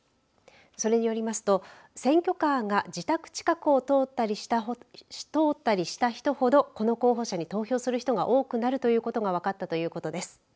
それによりますと、選挙カーが自宅近くを通ったりした人ほどこの候補者に投票する人が多くなるということが分かったということです。